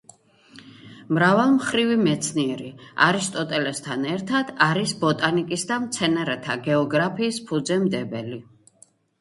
მრავალმხრივი მეცნიერი; არისტოტელესთან ერთად არის ბოტანიკის და მცენარეთა გეოგრაფიის ფუძემდებელი.